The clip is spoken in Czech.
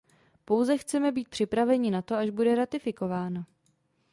Pouze chceme být připraveni na to, až bude ratifikována.